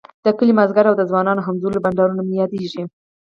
د کلي ماذيګر او د ځوانانو همزولو بنډارونه مي ياديږی